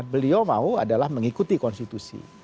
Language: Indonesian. beliau mau adalah mengikuti konstitusi